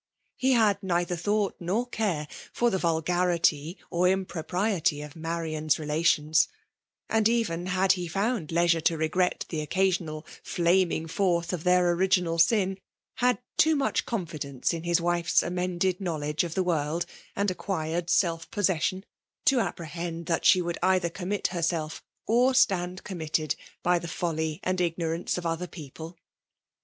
He had neither thought nor care for the vulgarity or impropriety of Marian's relations; and even had he found leisure to regret the occasional flaming forth of their original sin, had too much confidence in his wife's amended knowledge of the world, and acquired self possession^ to apprehend that she would either commit herself, or stand com mitted, by the folly and ignorance of other people.